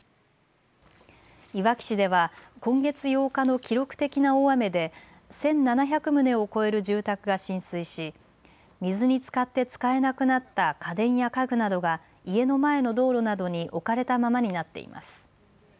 いわき市では今月８日の記録的な大雨で１７００棟を超える住宅が浸水し水につかって使えなくなった家電や家具などが家の前の道路などに置かれたままになっています。